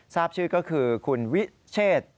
ทราบชื่อก็คือคุณวิเชษ